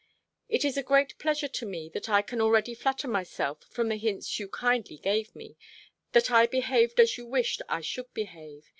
It is a great pleasure to me, that I can already flatter myself, from the hints you kindly gave me, that I behaved as you wished I should behave.